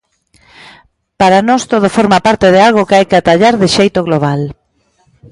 Para nós todo forma parte de algo que hai que atallar de xeito global.